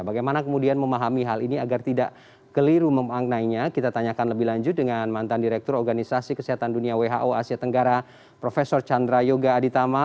bagaimana kemudian memahami hal ini agar tidak keliru memaknainya kita tanyakan lebih lanjut dengan mantan direktur organisasi kesehatan dunia who asia tenggara prof chandra yoga aditama